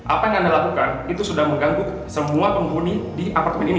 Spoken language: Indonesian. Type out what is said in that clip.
apa yang anda lakukan itu sudah mengganggu semua penghuni di apartemen ini